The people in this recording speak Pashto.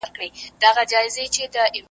جهاني پر هغه دښته مي سفر سو .